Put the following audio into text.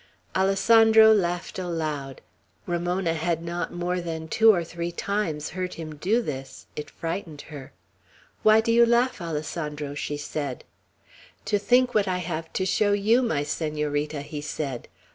Alessandro laughed aloud. Ramona had not more than two or three times heard him do this. It frightened her. "Why do you laugh, Alessandro?" she said. "To think what I have to show you, my Senorita," he said.